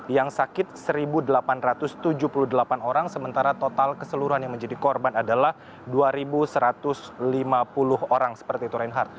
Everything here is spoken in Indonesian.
yang sakit satu delapan ratus tujuh puluh delapan orang sementara total keseluruhan yang menjadi korban adalah dua satu ratus lima puluh orang seperti itu reinhardt